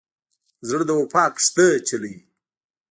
زړه د وفا کښتۍ چلوي.